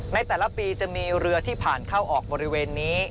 ในแต่ละปีจะมีเรือที่ผ่านเข้าออกบริเวณนี้